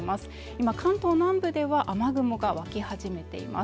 今関東南部では雨雲が湧き始めています